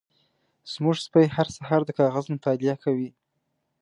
زمونږ سپی هر سهار د کاغذ مطالعه کوي.